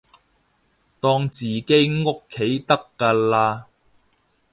當自己屋企得㗎喇